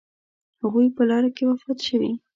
هغوی په لاره کې وفات شوي.